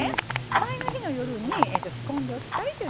前の日の夜に仕込んでおきたいという皆さん